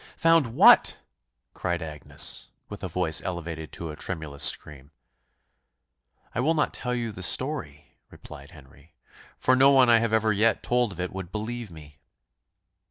"Found what?" cried Agnes, with a voice elevated to a tremulous scream. "I will not tell you the story," replied Henry; "for no one I have ever yet told of it would believe me."